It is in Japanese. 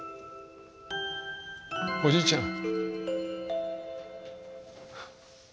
おじいちゃん。